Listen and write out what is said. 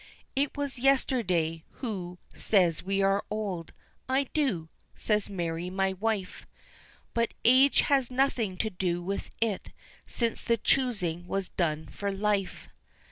It was yesterday, who says we are old? "I do," says Mary, my wife, "But age has nothing to do with it, since the choosing was done for life."